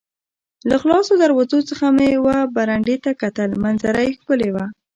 له خلاصو دروازو څخه مې وه برنډې ته کتل، منظره یې ښکلې وه.